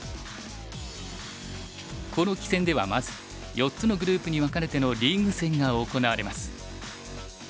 この棋戦ではまず４つのグループに分かれてのリーグ戦が行われます。